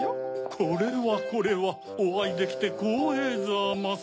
これはこれはおあいできてこうえいざます。